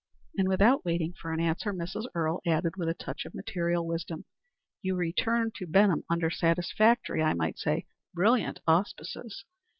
And without waiting for an answer, Mrs. Earle added with a touch of material wisdom, "You return to Benham under satisfactory, I might say, brilliant auspices.